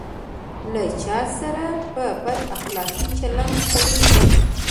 له چا سره په بد اخلاقي چلند کړی وي.